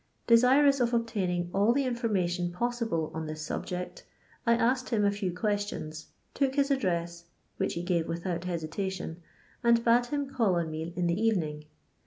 Desirous of obtaining all the information possible on this subject, I asked him a few questions, took his address, which he gave without hesitation, and bade him call on me in the evening.